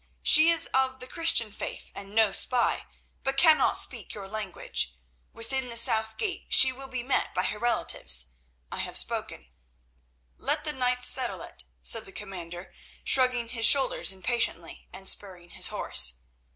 She is of the Christian faith and no spy, but cannot speak your language. Within the south gate she will be met by her relatives. I have spoken." "Let the knights settle it," said the commander, shrugging his shoulders impatiently and spurring his horse.